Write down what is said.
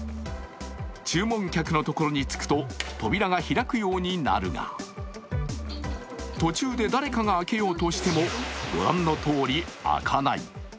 注文客のところに着くと扉が開くようになるが、途中で誰かが開けようとしても、ご覧のとおり開かない。